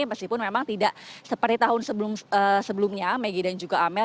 meskipun memang tidak seperti tahun sebelumnya maggie dan juga amel